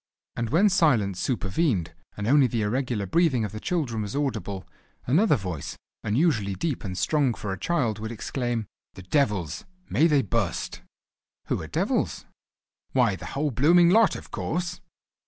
And when silence supervened, and only the irregular breathing of the children was audible, another voice, unusually deep and strong for a child, would exclaim: "The devils! May they bu'st!" "Who are devils?" "Why, the whole blooming lot, of course!"